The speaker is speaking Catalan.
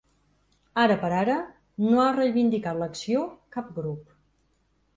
Ara per ara, no ha reivindicat l’acció cap grup.